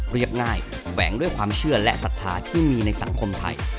เรียบง่ายแฝงด้วยความเชื่อและศรัทธาที่มีในสังคมไทย